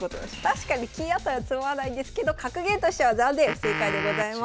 確かに金あったら詰まないんですけど格言としては残念不正解でございます。